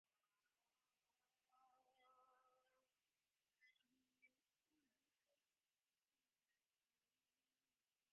ބުދަވިލޭރޭ ކެޑެޓް ކުދިންނަށް މަރުޙަބާ ކިޔުމުގެ ގޮތުން އެކުވެރިންގެ ގުޅުމުގެ ފަރާތުން ބޭއްވި ޕާރޓީ ވަރަށް ވެސް ފުރިހަމަ